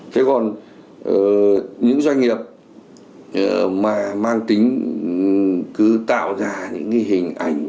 thế còn những doanh nghiệp mà mang tính cứ tạo ra những hình ảnh